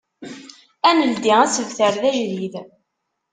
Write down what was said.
Ad neldi asebter d ajdid.